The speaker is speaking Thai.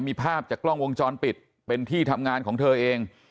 มีภาพจากกล้องวงจรปิดเป็นที่ทำงานของเธอเอง